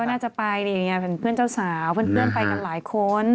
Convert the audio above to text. ก็น่าจะไปดิเป็นเพื่อนเจ้าสาวเพื่อนไปกันหลายคน